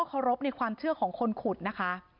ชงความวิทยาสาสภาพก็เชื่อของถึงคนขุด